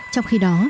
trong khi đó